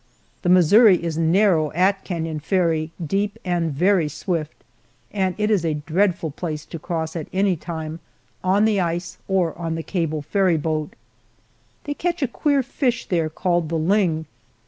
The Missouri is narrow at Canon Ferry, deep and very swift, and it is a dreadful place to cross at any time, on the ice, or on the cable ferryboat. They catch a queer fish there called the "ling."